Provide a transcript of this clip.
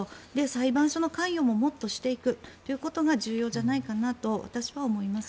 裁判所の関与ももっとしていくということが重要じゃないかなと私は思います。